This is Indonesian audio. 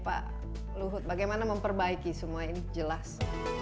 pak luhut bagaimana memperbaiki semua ini jelas